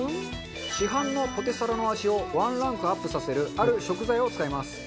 市販のポテサラの味をワンランクアップさせるある食材を使います。